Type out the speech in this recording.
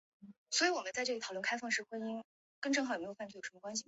国家航天中心由莱斯特大学的太空研究中心和当地政府机构合作修建。